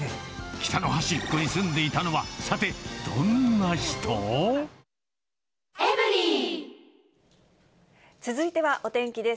北の端っこに住んでいたのは、さて、どんな人？続いてはお天気です。